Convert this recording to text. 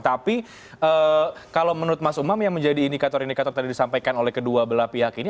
tapi kalau menurut mas umam yang menjadi indikator indikator tadi disampaikan oleh kedua belah pihak ini